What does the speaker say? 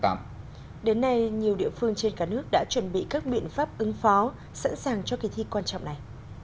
đến nay nhiều địa phương trên cả nước đã chuẩn bị các biện pháp ứng phó sẵn sàng cho kỳ thi quan trọng này